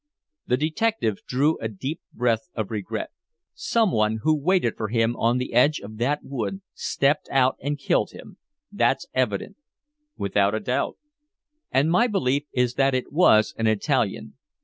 The detective drew a deep breath of regret. "Someone who waited for him on the edge of that wood stepped out and killed him that's evident," he said. "Without a doubt." "And my belief is that it was an Italian.